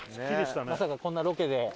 まさかこんなロケで。